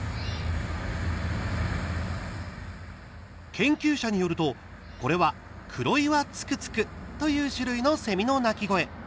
研究者によるとこれはクロイワツクツクという種類のセミの鳴き声。